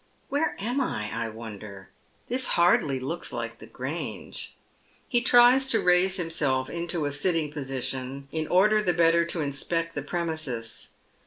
Where am I, I wonder? This hardly looks like the Grange." He tries to raise himself into a sitting position, in order the better to inspect the premises.